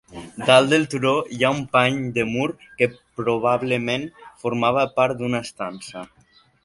Dalt del turó hi ha un pany de mur que probablement formava part d'una estança.